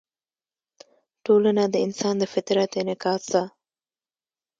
ټولنه د انسان د فطرت انعکاس ده.